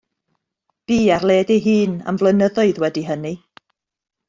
Bu ar led ei hun am flynyddoedd wedi hynny.